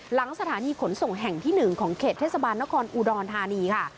หลังสถานีขนส่งแห่งที่หนึ่งของเขชเทศบาลบรรค์นครูดรธาณีค่ะ